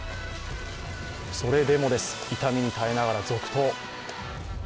それでもです、痛みに耐えながら続投。